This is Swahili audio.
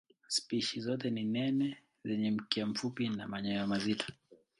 Spishi zote ni nene zenye mkia mfupi na manyoya mazito.